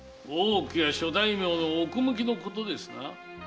大奥や諸大名の奥向きのことですな？